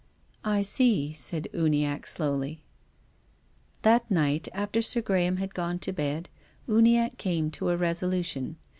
" I see," said Uniacke, slowly. That night, after Sir Graham had gone to bed, Uniacke came to a resolution.